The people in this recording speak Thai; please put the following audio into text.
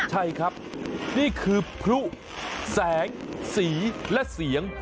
ใช่ครับนี่คือพลุแสงสีและเสียง